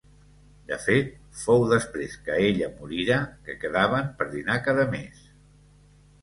De fet, fou després que ella morira, que quedaven per dinar cada mes.